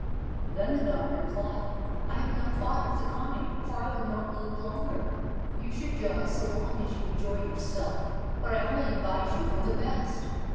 Then the dog replied, "I have no thought of the kind, for I would not live longer. Use your jaws so long as you enjoy yourself, but I only advise you for the best.